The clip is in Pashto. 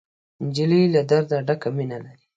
نجلۍ له درده ډکه مینه لري.